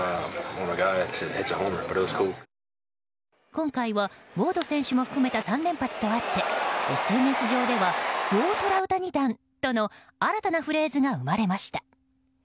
今回はウォード選手も含めた３連発とあってＳＮＳ上ではウォートラウタニ弾と新たなフレーズが生まれました。